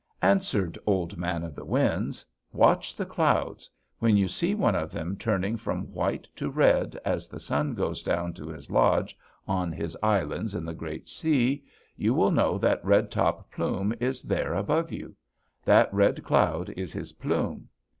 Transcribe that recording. "Answered Old Man of the Winds: 'Watch the clouds. When you see one of them turning from white to red, as the sun goes down to his lodge on his island in the great sea, you will know that Red Top Plume is there above you. That red cloud is his plume.